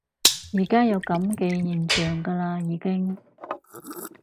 而家有噉嘅現象㗎啦已經